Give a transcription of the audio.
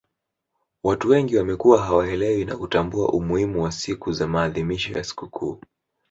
watu wengi wamekuwa hawaelewi na kutambua umuhimu wa siku za maadhimisho ya sikukuu